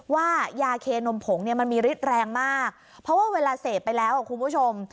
ว่ายาเคนมผงเนี่ยมันมีฤทธิ์แรงมากเพราะว่าเวลาเสพไปแล้วคุณผู้ชม